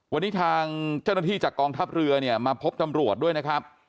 วันนี้ทางเจ้าหน้าที่จากกองทัพเรือเนี่ยมาพบตำรวจด้วยนะครับ